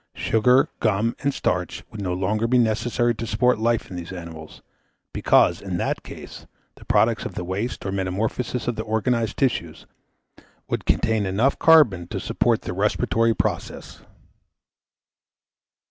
Sugar, gum, and starch, would no longer be necessary to support life in these animals, because, in that case, the products of the waste, or metamorphosis of the organised tissues, would contain enough carbon to support the respiratory process.